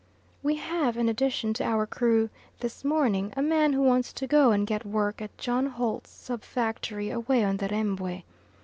We have an addition to our crew this morning a man who wants to go and get work at John Holt's sub factory away on the Rembwe.